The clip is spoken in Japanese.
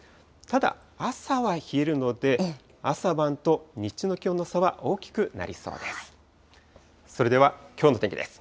ただ、朝は冷えるので、朝晩と日中の気温の差は大きくなりそうです。